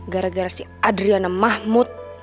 gara gara si adriana mahmud